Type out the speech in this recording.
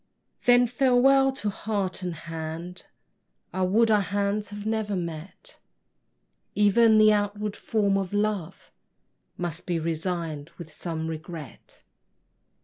Then farewell to heart and hand! I would our hands had never met: Even the outward form of love Must be resign'd with some regret.